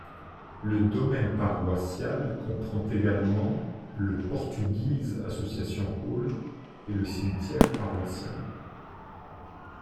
Le domaine paroissial comprend également le ‘Portuguese Association Hall’ et le cimetière paroissial.